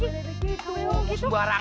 saya tidak hampir berakhir